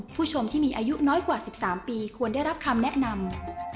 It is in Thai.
ผู้ชมที่มีอายุน้อยกว่า๑๓ปีควรได้รับคำแนะนำ